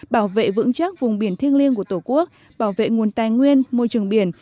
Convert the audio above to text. bảo vệ vững chắc vùng biển thiêng liêng của tổ quốc bảo vệ nguồn tài nguyên môi trường biển